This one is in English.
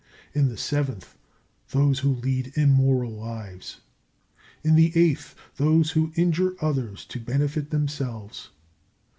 In the seventh, those who lead immoral lives. In the eighth, those who injure others to benefit themselves.